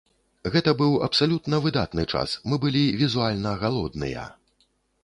Гэта быў абсалютна выдатны час, мы былі візуальна галодныя!